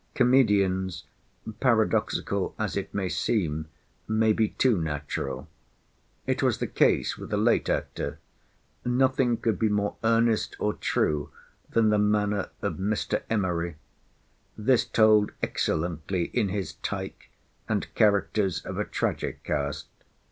Comedians, paradoxical as it may seem, may be too natural. It was the case with a late actor. Nothing could be more earnest or true than the manner of Mr. Emery; this told excellently in his Tyke, and characters of a tragic cast.